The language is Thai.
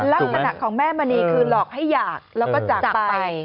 ลักษณะของแม่มณีคือหลอกให้อยากแล้วก็จากไป